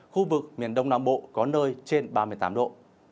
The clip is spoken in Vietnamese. khu vực miền đông nam bộ có nơi trên ba mươi tám độ